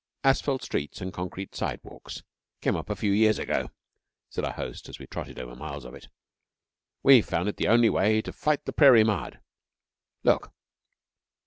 'Asphalt streets and concrete sidewalks came up a few years ago,' said our host as we trotted over miles of it. 'We found it the only way to fight the prairie mud. Look!'